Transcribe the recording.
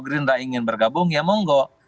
gerindra ingin bergabung ya monggo